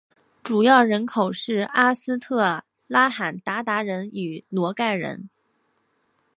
主要人口是阿斯特拉罕鞑靼人与诺盖人。